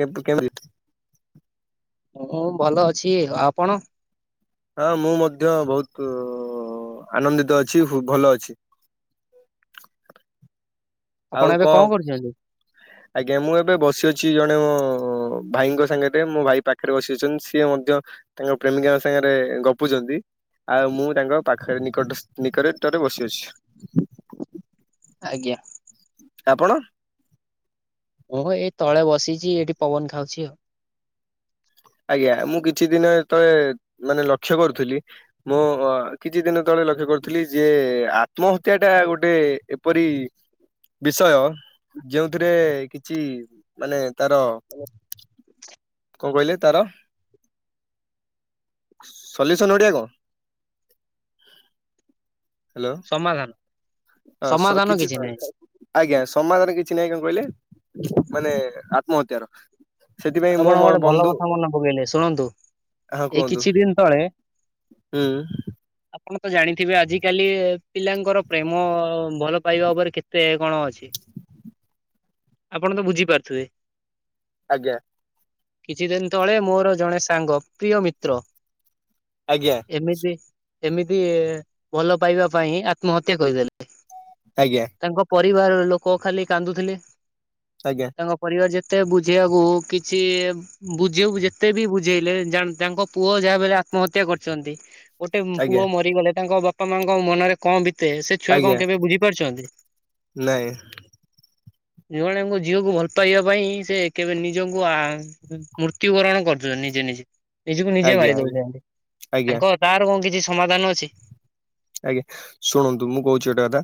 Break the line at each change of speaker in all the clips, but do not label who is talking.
କେବେ କେବି
ମୁଁ ଭଲ ଅଛି ଆପଣ?
ହଁ ମୁଁ ମଧ୍ୟ ବହୁତ ଆନନ୍ଦିତ ଅଛି ହୁ ଭଲ ଅଛି।
[unintelligible] ଆପଣ
ଆଉ
ଏବେ
କଣ
କରୁଛନ୍ତି?
ଆଜ୍ଞା ମୁଁ ଏବେ ବସିଅଛି ସିଏ ଜଣେ ମୋ ଭାଇଙ୍କ ସାଙ୍ଗରେ ମୋ ଭାଇ ପାଖରେ ବସି ଅଛନ୍ତି ସିଏ ମଧ୍ୟ ତାଙ୍କ ପ୍ରେମିକାଙ୍କ ସାଙ୍ଗେ ଗପୁଚନ୍ତି। ଆଉ ମୁଁ ତାଙ୍କ ପାଖରେ ନିକଟ ସ ନିକଟତରେ ବସି ଅଛି।
ଆଜ୍ଞା।
ଆପଣ?
ଓଁ ଏଇ ତଳେ ବସିଛି ଏଇଠି ପବନ ଖାଉଛି ଆଉ ।
ଆଜ୍ଞା ମୁଁ କିଛିଦିନ ତଳେ ମାନେ ଲକ୍ଷ୍ୟ କରୁଥିଲି ମୁଁ କିଛିଦିନ ତଳେ ଲକ୍ଷ୍ୟ କରିୁଥିଲି ଯେ ଆତ୍ମହତ୍ୟା ଟା ଗୋଟେ ଏପରି ବିଷୟ ଯୋଉଥିରେ କିଛିମାନେ ତାର କଣ କହିଲେ ତାର ସଲୁସନ ଓଡିଆ କଣ?
ସମାଧାନ।
ହ
ସମାଧାନ
କିଛି
ନାହିଁ
ଆଜ୍ଞା ସମାଧରେ କିଛି କିଛି ନାଇ କଣ କହିଲେ ମାନେ ଆତ୍ମହତ୍ୟାର ସେଥିପାଇଁ ମୁଁ
ଆପଣ
ମୋ
ଗୋଟେ ଭଲ
ବନ୍ଧୁ
କଥା ମନେ ପକେଇଲେ ଶୁଣନ୍ତୁ
ହଁ
ଏଇ
କୁହନ୍ତୁ
କିଛି ଦିନ ତଳେ
ହୁଁ।
ଆପଣ ତ ଜାଣିଥିବେ ଆଜିକାଲି ପିଲାଙ୍କର ପ୍ରେମ ଭଲ ପାଇବା ଉପରେ କେତେ କଣ ଅଛି । ଆପଣ ତ ବୁଝିପାରୁଥିବେ ।
ଆଜ୍ଞା।
କିଛି ଦିନ ତଳେ ମୋର ଜଣେ ସାଙ୍ଗ ପ୍ରିୟ ମିତ୍ର।
ଆଜ୍ଞା।
ଏମିତି ଏମିତି ଭଲ ପାଇବା ପାଇଁଁ ଆତ୍ମହତ୍ୟା କରିଦେଲେ
ଆଜ୍ଞା
ତାଙ୍କ ପରିବାର ଲୋକ ଖାଲି କାନ୍ଦୁଥିଲେ
ଆଜ୍ଞା
ତାଙ୍କ ପରିବାର ଯେତେ ବୁଝେଇବାକୁ କି ସିଏ ବୁଝବ ଯେତେ ବି ବୁଝେଇଲୋ ତାଙ୍କ ପୁଅ ଯାହା ବଲେ ଆତ୍ମହତ୍ୟା କରିଛନ୍ତି ଗୋଟେ
ଆଜ୍ଞା
ପୁଅ ମରିଗଲେ ତାଙ୍କ ବାପା ମାଙ୍କ ମନରେ କଣ ସେ ଛୁଆ
ଆଜ୍ଞା
କଣ କେବେ ବୁଝିପାରୁଛନ୍ତି
ନାଇଁ
। ଜଣଙ୍କ ଝିଅକୁ ଭଲ ପାଇବା ପାଇଁ ସେ କେବେ ନିଜ ମୃତ୍ୟୁବରଣ କରୁଛ ନିଜେ ନିଜେ । ନିଜକୁ ନିଜେ
ଆଜ୍ଞା
ମାରି
ଆଜ୍ଞା
ଦଉଛନ୍ତି
ଆଜ୍ଞା
ତାଙ୍କ ତାର କଣ କିଛି ସମାଧାନ ଅଛି।
ଆଜ୍ଞା ଶୁଣନ୍ତୁ ମୁଁ କହୁଛି ଗୋଟେ କଥା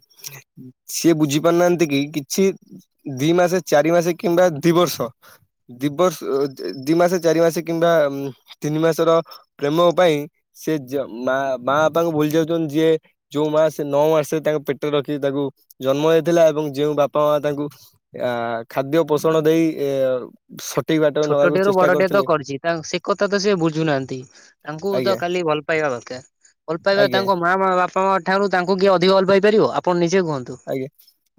ସିଏ ବୁଝି ପାରୁନାହାନ୍ତି କି କିଛି ଦି ମାସ ଚାରି ମାସେ କିମ୍ବା ଦିବର୍ଷ ଦିବର୍ଷ ଦି ମାସ ଚାରି ମାସେ କିମ୍ବା ତିନି ମାସର ପ୍ରେମ ପାଇଁ ସେ ମା ମା ବାପାଙ୍କୁ ଭୁଲି ଯାଉ ଯିଏ ଯୋଉ ମାସ ନଅ ମାସରେ ତାଙ୍କ ପେଟରେ ରଖି ତାକୁ ଜନ୍ମ ହେଇଥିଲା ଏବଂ ଯୋଉ ବାପା ମା ତା ତାଙ୍କୁ ଆ ଖାଦ୍ୟ ପୋଷଣ ଦେଇ ଏ ବାଟରେ ନବାକୁ
ଛୋଟଟିଏ ରୁ
ଚେଷ୍ଟା
ବଡଟିଏ ତ
କରିଥିଲେ
କରିଛି ସେ କଥା ତ ସେ ବୁଝୁନାହାନ୍ତି ତାଙ୍କୁ ତ
ଆଜ୍ଞା
ଖାଲି ଭଲ ପାଇବା କଥା । ଭଲପାଇବା
ଆଜ୍ଞା
ତାଙ୍କ ମା ମା ବାପା ଠାରୁ ତାଙ୍କୁ କିଏ ଅଧିକ ଅଲ୍ପ ପାଇ ପାରିବ ଆପଣ ନି
ଆଜ୍ଞା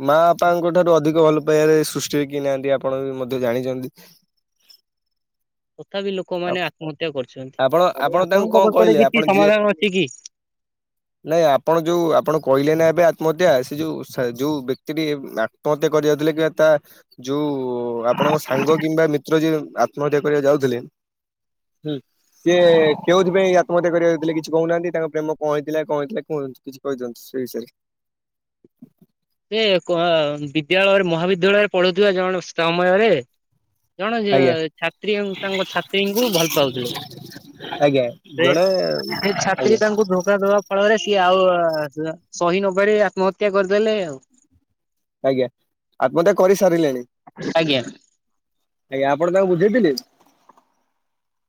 ମା ବାପାଙ୍କ ଠାରୁ ଅଧିକ ଭଲ ପାଇବାରେ ସୃଷ୍ଟି କି ନାହାନ୍ତି ଆପଣ ବି ମଧ୍ୟ ଜାଣିଛନ୍ତି ।
ତଥାପି ଲୋକମାନେ ଆତ୍ମହତ୍ୟା
ଆପଣ
କରୁଛନ୍ତି
ଆପଣ ତାଙ୍କୁ
ଆପଣଙ୍କ
କଣ
ପାଖରେ
କହିଲେ ଆପଣ
କିଛି
ଯିଏ
ସମାଧାନ ଅଛି କି?
ନାଇଁ ଆପଣ ଯୋଉ ଆପଣ କହିଲେ ନା ଏବେ ମଧ୍ୟ ସେ ଯୋଉ ଯୋଉ ବ୍ୟକ୍ତି ଟି ଆତ୍ମହତ୍ୟା କରି ଯାଉଥିଲେ କିମ୍ବା ତା ଯୋଉ ଆପଣଙ୍କ ସାଙ୍ଗ କିମ୍ବା ମିତ୍ର ଯିଏ ଆତ୍ମହତ୍ୟା କରିବା ଯାଉଥିଲେ। ସିଏ କେଉଁଥିପାଇଁ ଆତ୍ମହତ୍ୟା କରିବାଥିଲେ କିଛି କହୁନାହାନ୍ତି ତାଙ୍କ ପ୍ରେମ କଣ ହେଇଥିଲା କଣ ହେଇଥିଲା କୁ କିଛି କହିଛନ୍ତି । [unintelligible]
[inaudible] ସେ କଣ ବିଦ୍ୟାଳୟରେ ମହାବିଦ୍ୟାଳୟରେ ପଢୁଥିବା ଜଣେ ସମୟରେ ଜଣେ
ଆଜ୍ଞା
ଛାତ୍ରୀ ତାଙ୍କ ଛାତ୍ରୀଙ୍କୁ ଭଲ ପାଉଥିଲେ ।
ଆଜ୍ଞା
ସେ
ଜଣେ
ସେ ଛାତ୍ରୀ
ଆଜ୍ଞା
ତାଙ୍କୁ ଧୋକା ଦବା ଫଳରେ ସିଏ ଆଉ ସହି ନପାରି ଆତ୍ମହତ୍ୟା କରିଦେଲେ ଆଉ ।
ଆଜ୍ଞା ଆତ୍ମହତ୍ୟା କରି
ଆଜ୍ଞା।
ଆଜ୍ଞା ଆପଣ ତାଙ୍କୁ ବୁଝେଇ ପାରିବେ।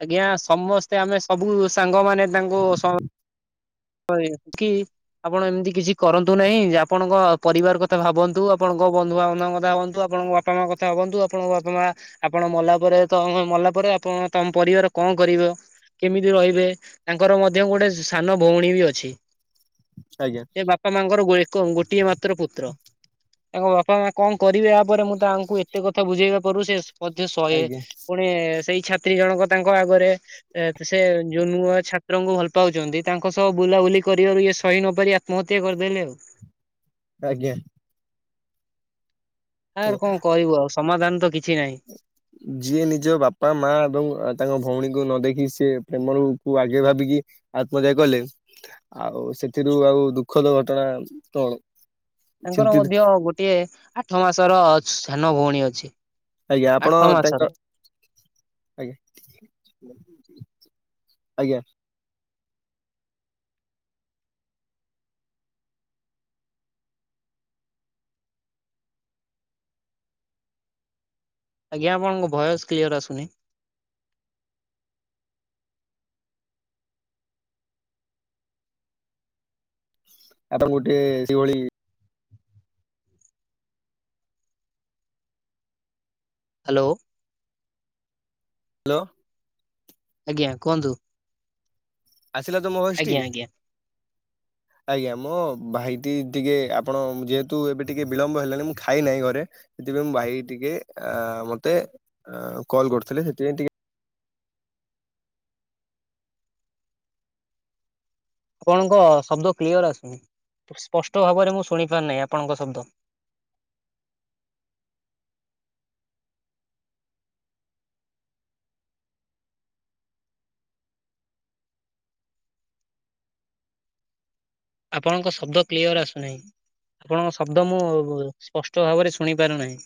ଆଜ୍ଞା ସମସ୍ତେ ଆମେ ସବୁ ସାଙ୍ଗମାନେ ତାଙ୍କୁ ହ କି ଆପଣ ଏମିତି କିଛି କରନ୍ତୁ ନାହିଁ ଆପଣଙ୍କ ପରିବାର କଥା ଭାବନ୍ତୁ ଆପଣ କୋଉ ବନ୍ଧୁବାନ୍ଧଙ୍କ କଥା ହୁଅନ୍ତୁ ଆପଣଙ୍କ ବାପାଙ୍କ କଥା ହୁଅନ୍ତୁ ଆପଣଙ୍କ ବାପା ମା ଆପଣ ମଲାପରେ ତ ମଲା ଆପଣ ତମ ପରିବାର କଣ କରିବ କେମିତି ରହିବେ ତାଙ୍କର ମଧ୍ୟ ଗୋଟେ ସାନ ଭଉଣୀ ବି ଅଛି
ଆଜ୍ଞା
ସେ ବାପା ମାଙ୍କର ଏକ ଗୋଟିଏ ମାତ୍ର ପୁତ୍ର ତାଙ୍କ ବାପା ମା କଣ କରିବେ ଏହାପରେ ମୁଁ ତାହାଙ୍କୁ ଏତେ କଥା ବୁଝେଇବା ପରୁ ସେ ମଧ୍ୟ ଶହେ
ଆଜ୍ଞା
ପୁଣି ସେଇ ଛାତ୍ରୀ ଜଣକ ତାଙ୍କ ଆଗରେ ସେ ଯୋଉ ନୁଆ ଛାତ୍ରଙ୍କୁ ଭଲ ପାଉଛନ୍ତି। ତାଙ୍କ ସହ ବୁଲାବୁଲି କରିବାରୁ ଇଏ ସହି ନ ପାରି ଆତ୍ମହତ୍ୟା କରିଦେଲେ ଆଉ।
ଆଜ୍ଞା।
ସାର୍ କଣ କହିବୁ ଆଉ ସମାଧାନ ତ କିଛି। ନାହିଁ।
ଯିଏ ନିଜ ବାପା ମା ଏବଂ ତାଙ୍କ ଭଉଣୀକୁ ନ ଦେଖି। କି ସେ ପ୍ରେମରୁ କୁ ଆଗେ ଭାବିକି ଆତ୍ମତ୍ୟା କଲେ ଆଉ ସେଥିରୁ ଆଉ ଦୁଃଖ। ପ୍ରକୃତ ଘଟଣା ତଣ
ତାଙ୍କର ମଧ୍ୟ ଗୋଟିଏ ଆଠ ମାସର ସାନ ଭଉଣୀ ଅଛି।
ଆଜ୍ଞା
ଆଠ
ଆପଣ
ମାସର
ତାଙ୍କ ଆଜ୍ଞା ଆଜ୍ଞା।
ଆଜ୍ଞା ଆପଣଙ୍କ ଭୟସ୍ କ୍ଲିଅର୍ ଆସୁନି
ଆପଣ ଗୋଟିଏ ଡିଓଳି
ହାଲୋ।
ହାଲୋ।
ଆଜ୍ଞା କୁହନ୍ତୁ।
ଆସିଲା ତ ମୋ ଭୟସ୍ ଟି
ଆଜ୍ଞା ଆଜ୍ଞା
ଆଜ୍ଞା ମୋ ଭାଇଟି ଟିକେ ଆପଣ ଯେହେତୁ ଏବେ ଟିକେ ବିଳମ୍ବ ହେଲାଣି ମୁଁ ଖାଇ ନାହିଁ ଘରେ ସେଥିପାଇଁ ମୋ ଭାଇ ଟିକେ ଆ ମତେ କଲ୍ କରୁଥିଲେ ସେଥିପାଇଁ ଟିକେ।
ଆପଣଙ୍କ ଶବ୍ଦ କ୍ଲିୟର ଆସୁନି ସ୍ପଷ୍ଟ ଭାବରେ ମୁଁ ଶୁଣି ପାର୍ ନାହିଁ ଆପଣଙ୍କ ଶବ୍ଦ ଆପଣଙ୍କ ଶବ୍ଦ କ୍ଲିଅର ଆସୁନାହିଁ। ଆପଣଙ୍କ ଶବ୍ଦ ମୁଁ ସ୍ପଷ୍ଟ ଭାବରେ ଶୁଣି ପାରୁନାହିଁ।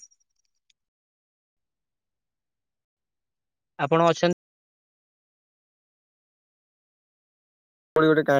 ଆପଣ ଅଛନ୍ତ
ପୁଣି ଗୋଟେ କାହଣୀ।